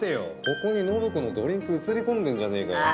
ここに信子のドリンク写り込んでんじゃねえかよ